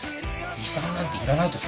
遺産なんていらないとさ。